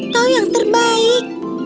kau yang terbaik